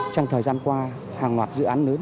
trong thời gian qua hàng loạt dự án lớn